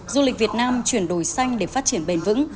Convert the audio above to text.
du lịch việt nam chuyển đổi xanh để phát triển bền vững